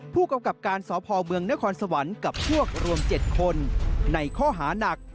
ผู้กำกับการสพเมืองนครสวรรค์กับพวกรวม๗คนในข้อหานัก